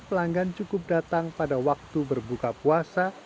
pelanggan cukup datang pada waktu berbuka puasa